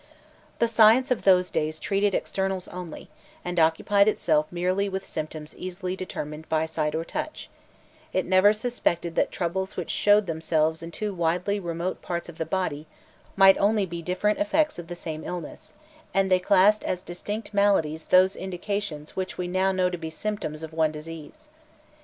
The science of those days treated externals only, and occupied itself merely with symptoms easily determined by sight or touch; it never suspected that troubles which showed themselves in two widely remote parts of the body might only be different effects of the same illness, and they classed as distinct maladies those indications which we now know to be the symptoms of one disease.